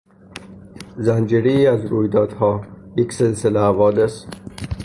زنجیرهای از رویدادها، یک سلسله حوادث